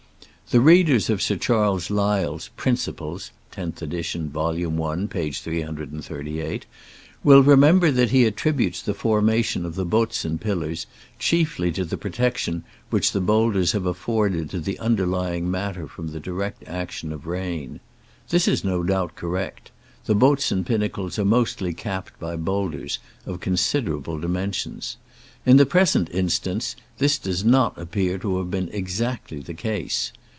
The read ers of Sir Charles Lyell's Principles (loth ed., vol. i., p. 338) will remember that he attributes the formation of the Botzen pillars chiefly to the protection which boulders have afforded to the underlying matter from the direct action of rain. This is no doubt correct : the Botzen pinnacles are mostly capped by boulders of considerable dimensions. In the present instance this does not appear to have been exactly the case.